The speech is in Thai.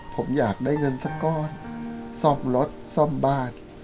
ผมอยากได้เงินสักก้อนซ่อมรถซ่อมบ้าน